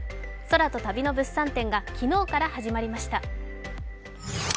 空と旅の物産展が昨日から始まりました。